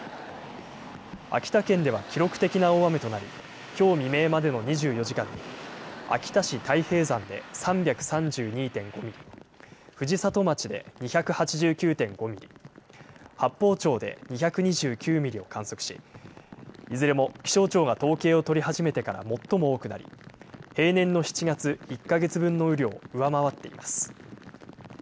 秋田県では記録的な大雨となりきょう未明までの２４時間に秋田市太平山で３３２．５ミリ、藤里町で２８９．５ミリ、八峰町で２２９ミリを観測しいずれも気象庁が統計を取り始めてから最も多くなり平年の７月１か月分の雨量を上回っています。